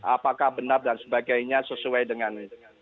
apakah benar dan sebagainya sesuai dengan